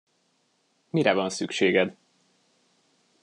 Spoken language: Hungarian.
Mire van szükséged?